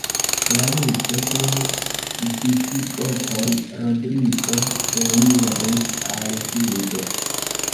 La reĝo de visigotoj Rodrigo eliris al sudo.